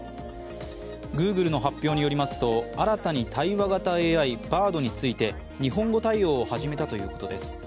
Ｇｏｏｇｌｅの発表によりますと、新たに対話型ＡＩ、Ｂａｒｄについて日本語対応を始めたということです。